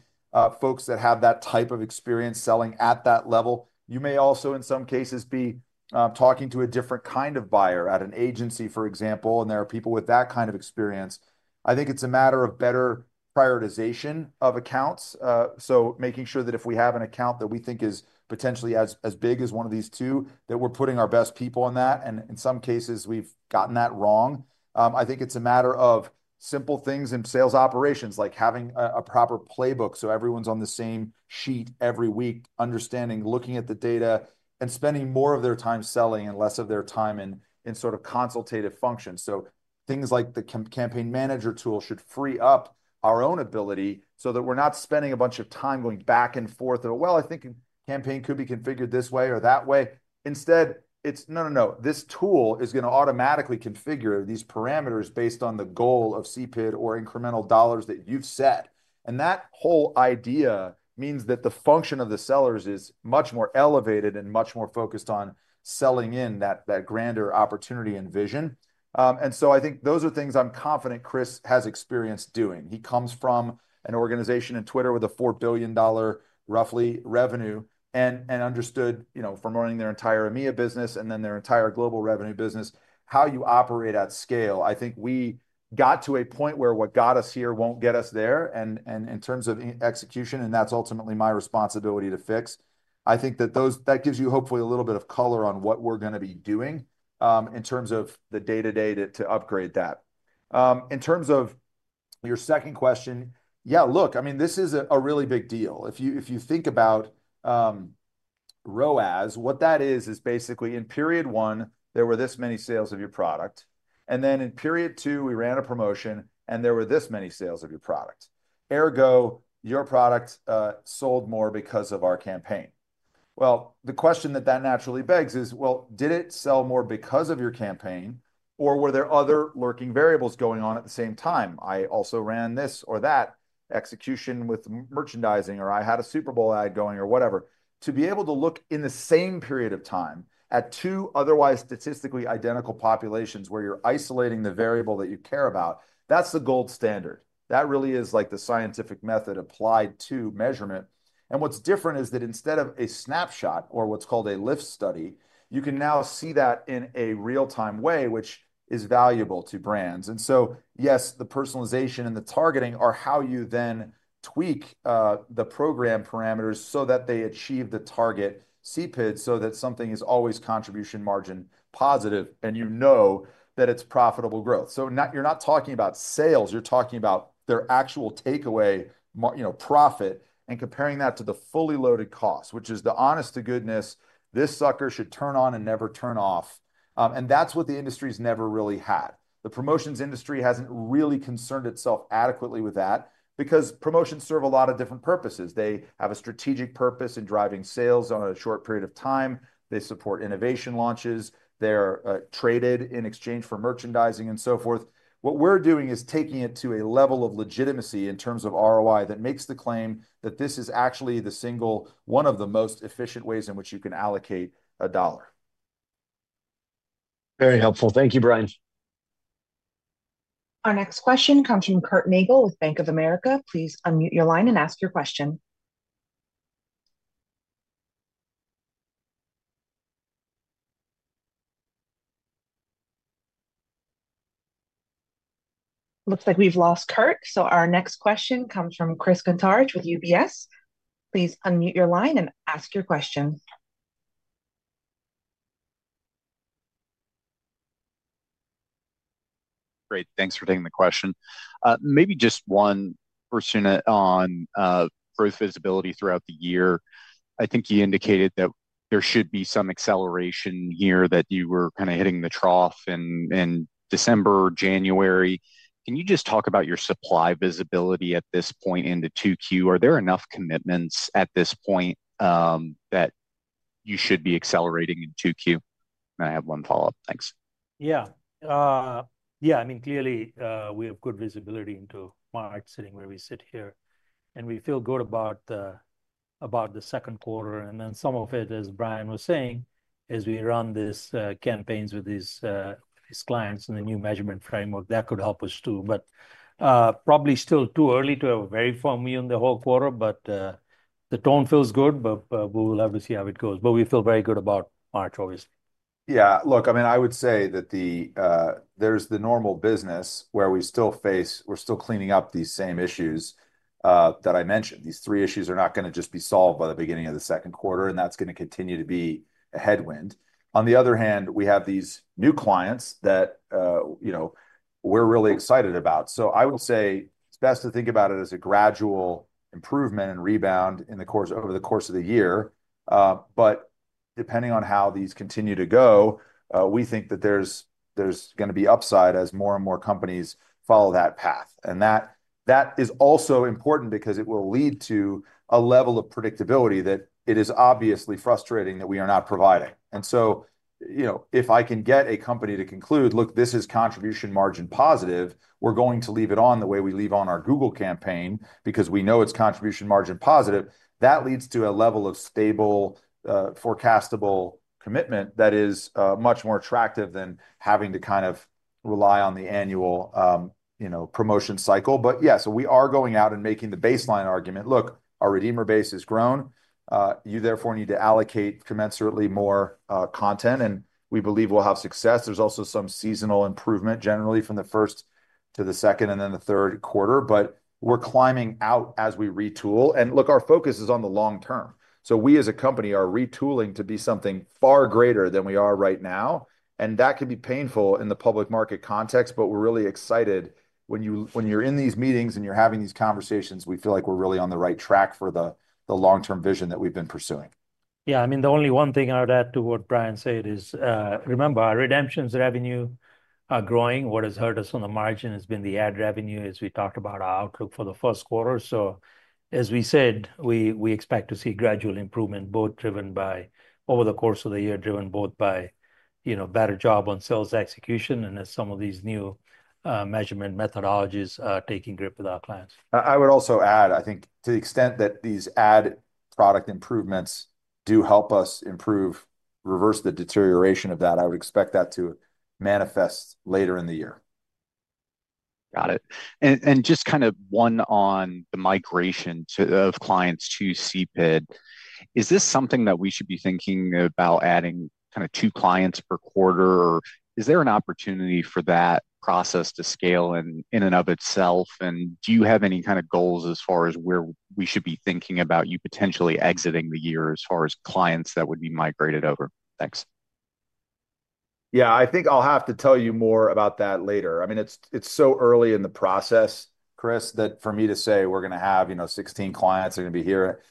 Speaker 2: folks that have that type of experience selling at that level. You may also, in some cases, be talking to a different kind of buyer at an agency, for example, and there are people with that kind of experience. I think it's a matter of better prioritization of accounts. So making sure that if we have an account that we think is potentially as big as one of these two, that we're putting our best people on that. And in some cases, we've gotten that wrong. I think it's a matter of simple things in sales operations, like having a proper playbook so everyone's on the same sheet every week, understanding, looking at the data, and spending more of their time selling and less of their time in sort of consultative functions. So things like the Campaign Manager tool should free up our own ability so that we're not spending a bunch of time going back and forth. Well, I think Campaign Manager could be configured this way or that way. Instead, it's, "No, no, no. This tool is going to automatically configure these parameters based on the goal of CPID or incremental dollars that you've set." And that whole idea means that the function of the sellers is much more elevated and much more focused on selling in that grander opportunity and vision. And so I think those are things I'm confident Chris has experience doing. He comes from an organization in Twitter with a $4 billion roughly revenue and understood from running their entire EMEA business and then their entire global revenue business how you operate at scale. I think we got to a point where what got us here won't get us there. And in terms of execution, and that's ultimately my responsibility to fix, I think that that gives you hopefully a little bit of color on what we're going to be doing in terms of the day-to-day to upgrade that. In terms of your second question, yeah, look, I mean, this is a really big deal. If you think about ROAS, what that is, is basically in period one, there were this many sales of your product, and then in period two, we ran a promotion, and there were this many sales of your product. Ergo, your product sold more because of our campaign. Well, the question that that naturally begs is, well, did it sell more because of your campaign, or were there other lurking variables going on at the same time? I also ran this or that execution with merchandising, or I had a Super Bowl ad going or whatever. To be able to look in the same period of time at two otherwise statistically identical populations where you're isolating the variable that you care about, that's the gold standard. That really is like the scientific method applied to measurement, and what's different is that instead of a snapshot or what's called a lift study, you can now see that in a real-time way, which is valuable to brands, and so, yes, the personalization and the targeting are how you then tweak the program parameters so that they achieve the target CPID so that something is always contribution margin positive and you know that it's profitable growth, so you're not talking about sales. You're talking about their actual takeaway profit and comparing that to the fully loaded cost, which is the honest to goodness, this sucker should turn on and never turn off, and that's what the industry has never really had. The promotions industry hasn't really concerned itself adequately with that because promotions serve a lot of different purposes. They have a strategic purpose in driving sales on a short period of time. They support innovation launches. They're traded in exchange for merchandising and so forth. What we're doing is taking it to a level of legitimacy in terms of ROI that makes the claim that this is actually the single one of the most efficient ways in which you can allocate a dollar.
Speaker 8: Very helpful. Thank you, Bryan.
Speaker 4: Our next question comes from Curt Nagle with Bank of America. Please unmute your line and ask your question. Looks like we've lost Curt. So our next question comes from Chris Kuntarich with UBS. Please unmute your line and ask your question.
Speaker 9: Great. Thanks for taking the question. Maybe just one person on growth visibility throughout the year. I think you indicated that there should be some acceleration here that you were kind of hitting the trough in December, January. Can you just talk about your supply visibility at this point into Q2? Are there enough commitments at this point that you should be accelerating in Q2? And I have one follow-up. Thanks.
Speaker 3: Yeah. Yeah. I mean, clearly, we have good visibility into March sitting where we sit here. And we feel good about the second quarter. And then some of it, as Bryan was saying, as we run these campaigns with these clients and the new measurement framework, that could help us too. But probably still too early to have a very firm view on the whole quarter, but the tone feels good. But we will have to see how it goes. But we feel very good about March, obviously.
Speaker 2: Yeah. Look, I mean, I would say that there's the normal business where we still face, we're still cleaning up these same issues that I mentioned. These three issues are not going to just be solved by the beginning of the second quarter, and that's going to continue to be a headwind. On the other hand, we have these new clients that we're really excited about. So I will say it's best to think about it as a gradual improvement and rebound over the course of the year. But depending on how these continue to go, we think that there's going to be upside as more and more companies follow that path. And that is also important because it will lead to a level of predictability that it is obviously frustrating that we are not providing. And so if I can get a company to conclude, "Look, this is contribution margin positive, we're going to leave it on the way we leave on our Google campaign because we know it's contribution margin positive," that leads to a level of stable, forecastable commitment that is much more attractive than having to kind of rely on the annual promotion cycle. But yeah, so we are going out and making the baseline argument. Look, our redeemer base has grown. You therefore need to allocate commensurately more content, and we believe we'll have success. There's also some seasonal improvement generally from the first to the second and then the third quarter. But we're climbing out as we retool. And look, our focus is on the long term. So we as a company are retooling to be something far greater than we are right now. And that can be painful in the public market context, but we're really excited when you're in these meetings and you're having these conversations. We feel like we're really on the right track for the long-term vision that we've been pursuing.
Speaker 3: Yeah. I mean, the only one thing I would add to what Bryan said is, remember, our redemptions revenue are growing. What has hurt us on the margin has been the ad revenue as we talked about our outlook for the first quarter. So as we said, we expect to see gradual improvement both driven by over the course of the year, driven both by better job on sales execution and as some of these new measurement methodologies are taking grip with our clients.
Speaker 2: I would also add, I think, to the extent that these ad product improvements do help us improve reverse the deterioration of that, I would expect that to manifest later in the year.
Speaker 9: Got it. And just kind of one on the migration of clients to CPID. Is this something that we should be thinking about adding kind of two clients per quarter? Or is there an opportunity for that process to scale in and of itself? And do you have any kind of goals as far as where we should be thinking about you potentially exiting the year as far as clients that would be migrated over? Thanks.
Speaker 2: Yeah. I think I'll have to tell you more about that later. I mean, it's so early in the process, Chris, that for me to say we're going to have 16 clients are going to be here.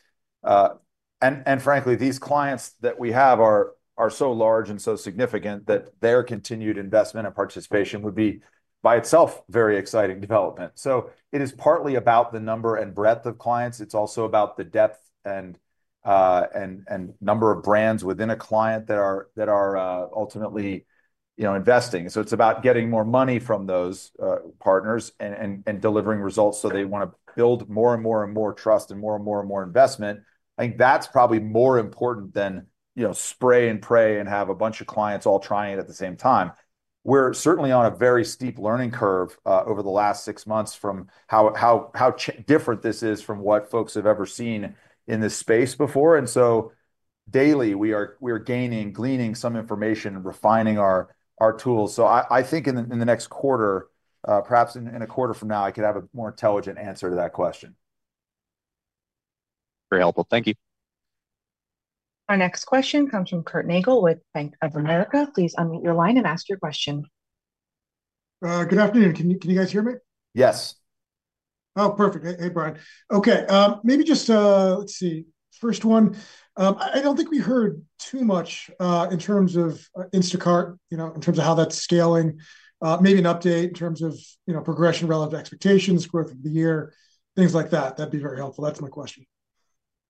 Speaker 2: And frankly, these clients that we have are so large and so significant that their continued investment and participation would be by itself very exciting development. So it is partly about the number and breadth of clients. It's also about the depth and number of brands within a client that are ultimately investing. So it's about getting more money from those partners and delivering results. So they want to build more and more and more trust and more and more and more investment. I think that's probably more important than spray and pray and have a bunch of clients all trying it at the same time. We're certainly on a very steep learning curve over the last six months from how different this is from what folks have ever seen in this space before. And so daily, we are gaining, gleaning some information, refining our tools. So I think in the next quarter, perhaps in a quarter from now, I could have a more intelligent answer to that question.
Speaker 9: Very helpful. Thank you.
Speaker 4: Our next question comes from Curt Nagle with Bank of America. Please unmute your line and ask your question.
Speaker 10: Good afternoon. Can you guys hear me?
Speaker 2: Yes.
Speaker 10: Oh, perfect. Hey, Bryan. Okay. Maybe just, let's see. First one. I don't think we heard too much in terms of Instacart, in terms of how that's scaling. Maybe an update in terms of progression relative to expectations, growth of the year, things like that. That'd be very helpful. That's my question.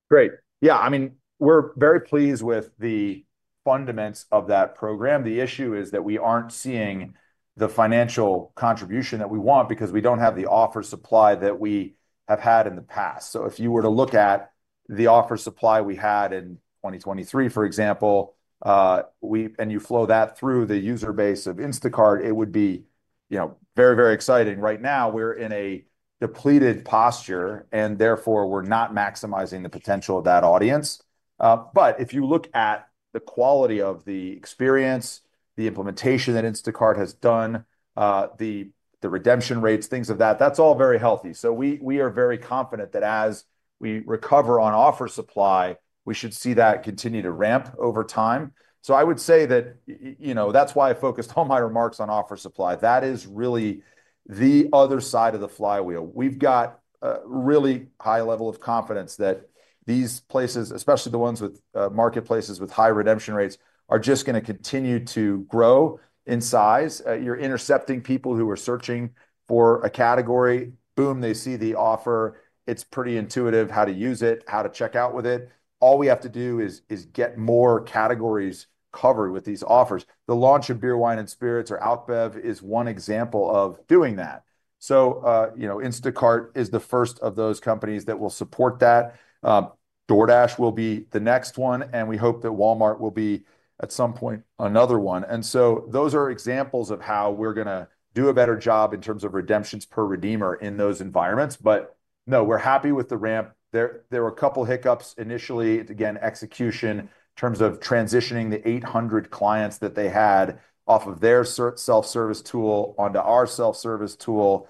Speaker 2: Great. Yeah. I mean, we're very pleased with the fundamentals of that program. The issue is that we aren't seeing the financial contribution that we want because we don't have the offer supply that we have had in the past. So if you were to look at the offer supply we had in 2023, for example, and you flow that through the user base of Instacart, it would be very, very exciting. Right now, we're in a depleted posture, and therefore, we're not maximizing the potential of that audience. But if you look at the quality of the experience, the implementation that Instacart has done, the redemption rates, things of that, that's all very healthy. So we are very confident that as we recover on offer supply, we should see that continue to ramp over time. So I would say that that's why I focused all my remarks on offer supply. That is really the other side of the flywheel. We've got a really high level of confidence that these places, especially the ones with marketplaces with high redemption rates, are just going to continue to grow in size. You're intercepting people who are searching for a category. Boom, they see the offer. It's pretty intuitive how to use it, how to check out with it. All we have to do is get more categories covered with these offers. The launch of beer, wine, and spirits or AlcBev is one example of doing that. So Instacart is the first of those companies that will support that. DoorDash will be the next one. And we hope that Walmart will be at some point another one. And so those are examples of how we're going to do a better job in terms of redemptions per redeemer in those environments. But no, we're happy with the ramp. There were a couple of hiccups initially. Again, execution in terms of transitioning the 800 clients that they had off of their self-service tool onto our self-service tool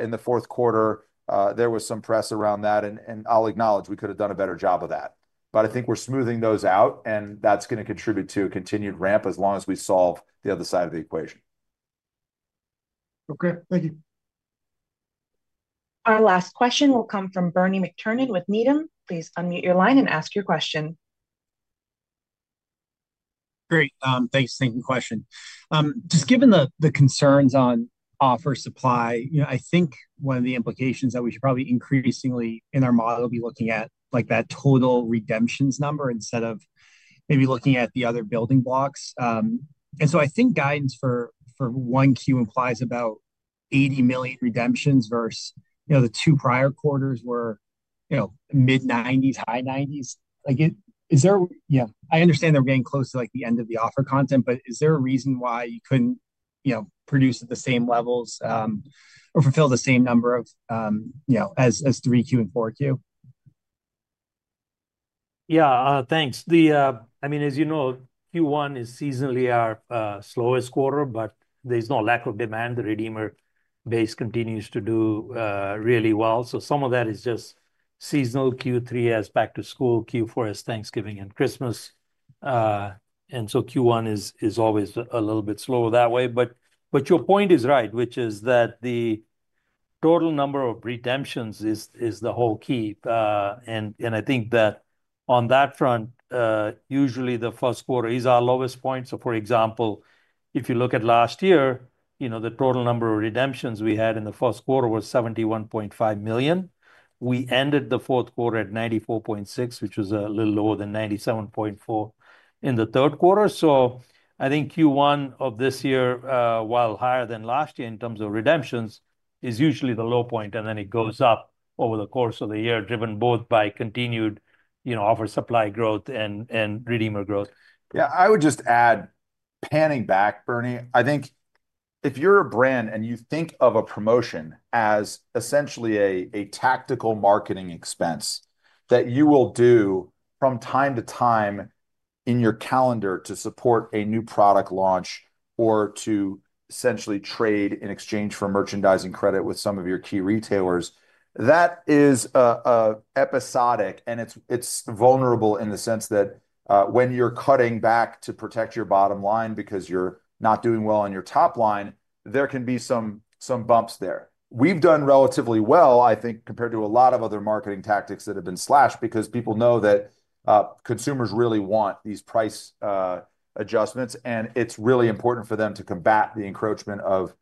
Speaker 2: in the fourth quarter. There was some press around that. And I'll acknowledge we could have done a better job of that. But I think we're smoothing those out, and that's going to contribute to a continued ramp as long as we solve the other side of the equation.
Speaker 10: Okay. Thank you.
Speaker 4: Our last question will come from Bernie McTernan with Needham. Please unmute your line and ask your question.
Speaker 11: Great. Thanks. Thank you for the question. Just given the concerns on offer supply, I think one of the implications that we should probably increasingly in our model be looking at that total redemptions number instead of maybe looking at the other building blocks. And so I think guidance for Q1 implies about 80 million redemptions versus the two prior quarters were mid-90s, high 90s. Yeah. I understand they're getting close to the end of the offer content, but is there a reason why you couldn't produce at the same levels or fulfill the same number as Q3 and Q4?
Speaker 3: Yeah. Thanks. I mean, as you know, Q1 is seasonally our slowest quarter, but there's no lack of demand. The redeemer base continues to do really well. So some of that is just seasonal. Q3 has back to school. Q4 has Thanksgiving and Christmas. And so Q1 is always a little bit slower that way. But your point is right, which is that the total number of redemptions is the whole key. And I think that on that front, usually the first quarter is our lowest point. So for example, if you look at last year, the total number of redemptions we had in the first quarter was 71.5 million. We ended the fourth quarter at 94.6, which was a little lower than 97.4 in the third quarter. So I think Q1 of this year, while higher than last year in terms of redemptions, is usually the low point. And then it goes up over the course of the year, driven both by continued offer supply growth and redeemer growth.
Speaker 2: Yeah. I would just add, panning back, Bernie, I think if you're a brand and you think of a promotion as essentially a tactical marketing expense that you will do from time to time in your calendar to support a new product launch or to essentially trade in exchange for merchandising credit with some of your key retailers, that is episodic. And it's vulnerable in the sense that when you're cutting back to protect your bottom line because you're not doing well on your top line, there can be some bumps there. We've done relatively well, I think, compared to a lot of other marketing tactics that have been slashed because people know that consumers really want these price adjustments. And it's really important for them to combat the encroachment of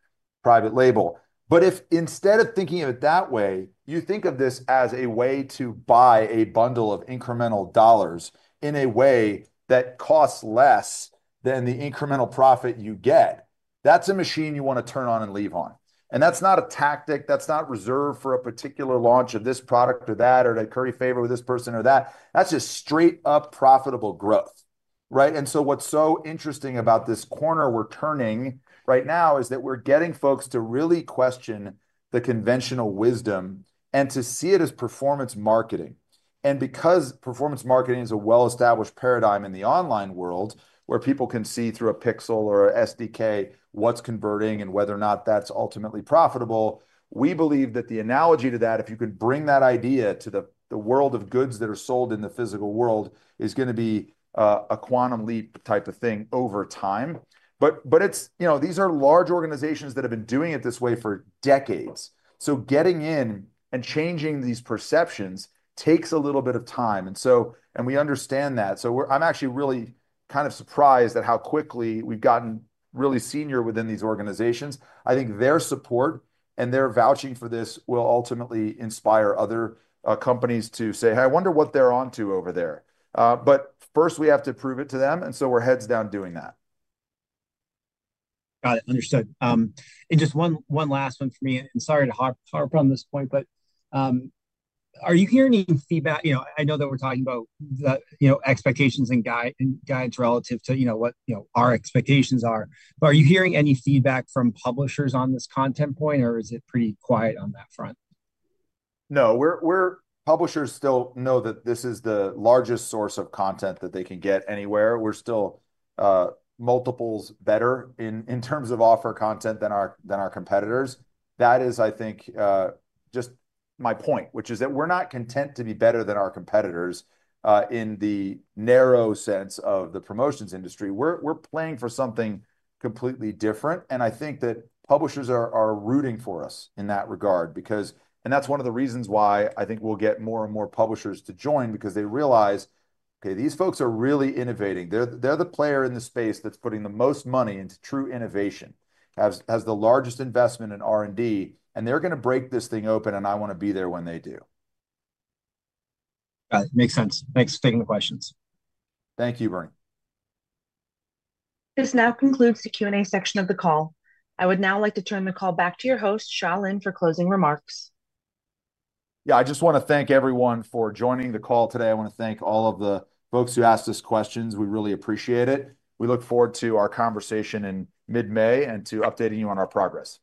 Speaker 2: private label. But if instead of thinking of it that way, you think of this as a way to buy a bundle of incremental dollars in a way that costs less than the incremental profit you get, that's a machine you want to turn on and leave on. And that's not a tactic. That's not reserved for a particular launch of this product or that or to curry favor with this person or that. That's just straight-up profitable growth. Right? And so what's so interesting about this corner we're turning right now is that we're getting folks to really question the conventional wisdom and to see it as performance marketing. And because performance marketing is a well-established paradigm in the online world where people can see through a pixel or a SDK what's converting and whether or not that's ultimately profitable, we believe that the analogy to that, if you can bring that idea to the world of goods that are sold in the physical world, is going to be a quantum leap type of thing over time. But these are large organizations that have been doing it this way for decades. So getting in and changing these perceptions takes a little bit of time. And we understand that. So I'm actually really kind of surprised at how quickly we've gotten really senior within these organizations. I think their support and their vouching for this will ultimately inspire other companies to say, "Hey, I wonder what they're on to over there." But first, we have to prove it to them, and so we're heads down doing that.
Speaker 11: Got it. Understood, and just one last one for me, and sorry to harp on this point, but are you hearing any feedback? I know that we're talking about expectations and guides relative to what our expectations are, but are you hearing any feedback from publishers on this content point, or is it pretty quiet on that front?
Speaker 2: No. Publishers still know that this is the largest source of content that they can get anywhere. We're still multiples better in terms of offer content than our competitors. That is, I think, just my point, which is that we're not content to be better than our competitors in the narrow sense of the promotions industry. We're playing for something completely different. And I think that publishers are rooting for us in that regard. And that's one of the reasons why I think we'll get more and more publishers to join because they realize, "Okay, these folks are really innovating. They're the player in the space that's putting the most money into true innovation, has the largest investment in R&D, and they're going to break this thing open, and I want to be there when they do."
Speaker 11: Got it. Makes sense. Thanks for taking the questions.
Speaker 2: Thank you, Bernie.
Speaker 4: This now concludes the Q&A section of the call. I would now like to turn the call back to your host, Shalin, for closing remarks.
Speaker 12: Yeah. I just want to thank everyone for joining the call today. I want to thank all of the folks who asked us questions. We really appreciate it. We look forward to our conversation in mid-May and to updating you on our progress.